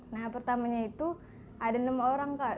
nah pertamanya itu ada enam orang kak